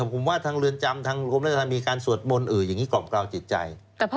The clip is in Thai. ผมว่าทางเรือนจำทางกรมราชธรรมมีการสวดมนต์อย่างนี้กรอบจิตใจ